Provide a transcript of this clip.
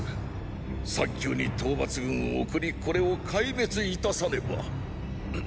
早急に討伐軍を送りこれを壊滅いたさねば。